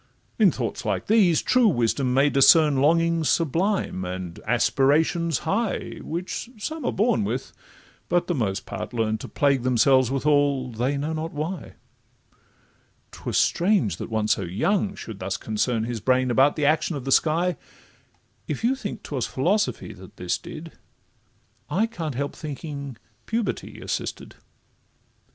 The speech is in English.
In thoughts like these true wisdom may discern Longings sublime, and aspirations high, Which some are born with, but the most part learn To plague themselves withal, they know not why: 'Twas strange that one so young should thus concern His brain about the action of the sky; If you think 'twas philosophy that this did, I can't help thinking puberty assisted.